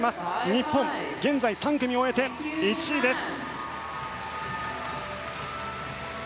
日本、現在３組終えて１位です。